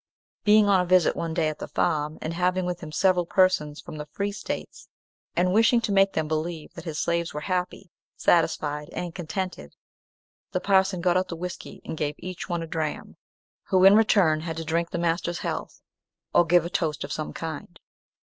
Being on a visit one day at the farm, and having with him several persons from the Free States, and wishing to make them believe that his slaves were happy, satisfied, and contented, the parson got out the whiskey and gave each one a dram, who in return had to drink the master's health, or give a toast of some kind.